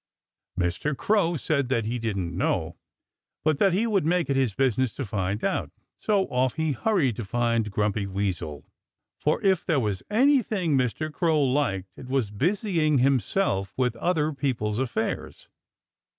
Mr. Crow said that he didn't know, but that he would make it his business to find out. So off he hurried to find Grumpy Weasel, for if there was anything Mr. Crow liked it was busying himself with other people's affairs.